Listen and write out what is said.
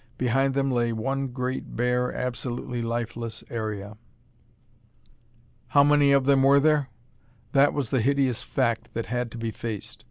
Behind them lay one great bare, absolutely lifeless area. How many of them were there? That was the hideous fact that had to be faced.